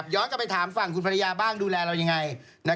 ย้อนกลับไปถามฝั่งคุณภรรยาบ้างดูแลเรายังไง